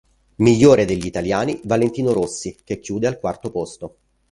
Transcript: Migliore degli italiani Valentino Rossi, che chiude al quarto posto.